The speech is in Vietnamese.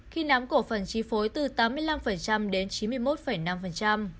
khi nắm cổ phần chi phối từ tám mươi năm đến chín mươi một năm